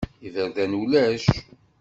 Iberdan ulac.